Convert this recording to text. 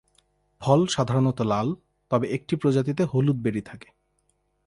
ফল সাধারণত লাল, তবে একটি প্রজাতিতে হলুদ বেরি থাকে।